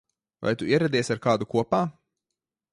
Vai tu ieradies ar kādu kopā?